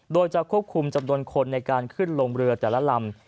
โดยจะควบคุมจำนวนคนในการขึ้นลงเรือแต่ละลำ